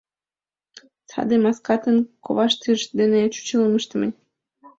— Саде маскатын коваштыж дене чучелым ыштыме.